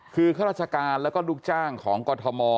คือข้าราชการแล้วก็ลูกจ้างของกรทม